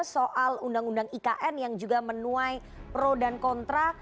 soal undang undang ikn yang juga menuai pro dan kontra